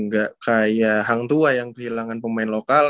gak kayak hang tua yang kehilangan pemain lokal